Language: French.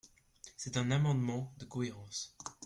C’est un amendement de cohérence.